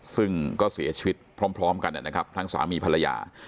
ซึ่งก็เสียชีวิตพร้อมกันนะครับทั้งสามีภรรยา